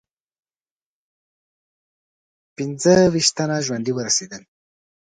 پنځه ویشت تنه ژوندي ورسېدل.